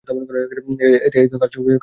এতে কার সুবিধা হয়েছে, হারামজাদা?